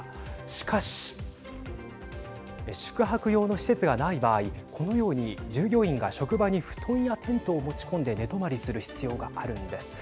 しかし宿泊用の施設がない場合このように従業員が職場に布団やテントを持ち込んで寝泊まりする必要があるんです。